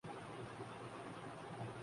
اس سے کیا حساب برابر ہو جاتا ہے؟